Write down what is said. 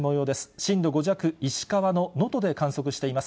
震度５弱、石川の能登で観測しています。